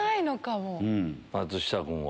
松下君は。